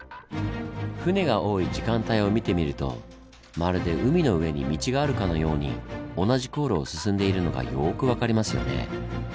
船が多い時間帯を見てみるとまるで海の上に道があるかのように同じ航路を進んでいるのがよく分かりますよね。